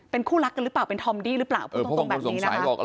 เป็นคู่รักกันหรือเปล่าเป็นทอมดี้หรือเปล่าพูดตรงแบบนี้นะคะ